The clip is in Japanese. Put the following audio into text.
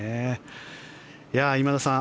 今田さん